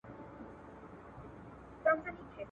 ايا لازم بدلونونه په ټولنه کې شونې دي؟